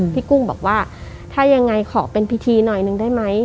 กุ้งบอกว่าถ้ายังไงขอเป็นพิธีหน่อยนึงได้ไหม